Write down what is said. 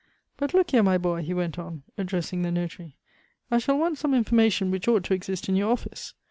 "But look here, my boy," he went on, addressing the notary, "I shall want some information which ought to exist in your office.